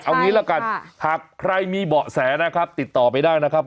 เอางี้ละกันหากใครมีเบาะแสนะครับติดต่อไปได้นะครับ